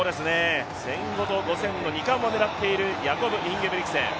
１５００と５０００の２冠を狙っているインゲブリクセン。